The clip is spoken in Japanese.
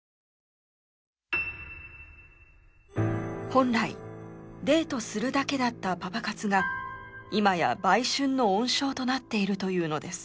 本来デートするだけだったパパ活が今や売春の温床となっているというのです。